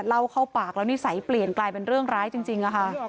เล่าเข้าปากแล้วนิสัยเปลี่ยนกลายเป็นเรื่องร้ายจริงค่ะ